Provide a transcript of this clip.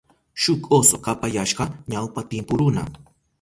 Shuk oso kapayashka ñawpa timpu runa.